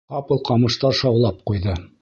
Ҡапыл ҡамыштар шаулап ҡуйҙы.